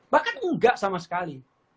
bahkan enggak sama sekali